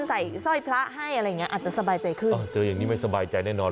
ใส่สร้อยพระให้อะไรอย่างเงี้อาจจะสบายใจขึ้นอ๋อเจออย่างนี้ไม่สบายใจแน่นอน